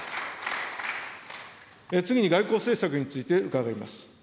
次に外交政策について伺います。